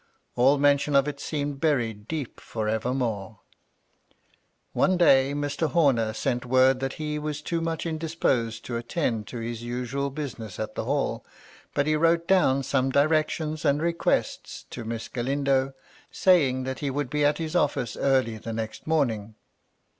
All mention of it seemed buried deep for evermore. One day, Mr. Homer sent word that he was too much indisposed to attend to his usual business at the Hall ; but he wrote down some direc tions and requests to Miss Galindo, saying that he MY LADY LUDLOW. 271 would be at his office early the next morning.